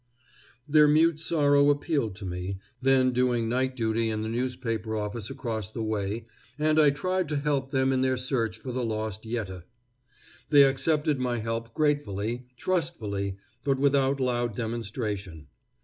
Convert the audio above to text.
Their mute sorrow appealed to me, then doing night duty in the newspaper office across the way, and I tried to help them in their search for the lost Yette. They accepted my help gratefully, trustfully, but without loud demonstration.